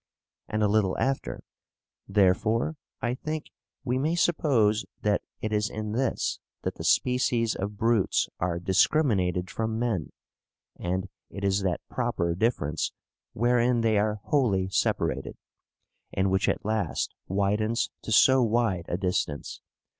And a little after: 'Therefore, I think, we may suppose that it is in this that the species of brutes are discriminated from men, and it is that proper difference wherein they are wholly separated, and which at last widens to so wide a distance.